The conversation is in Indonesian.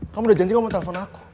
kamu udah janji ngomongin telepon aku